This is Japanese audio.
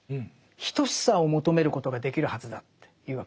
等しさを求めることができるはずだというわけですね。